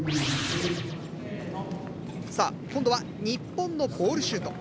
さあ今度は日本のボールシュート。